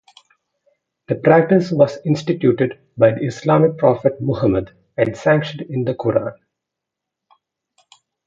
The practice was instituted by the Islamic prophet Muhammad and sanctioned in the Qur'an.